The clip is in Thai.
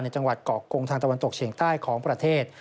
ในกลางจังหัวกคธวรรณตกเชียงใต้ของประเทศ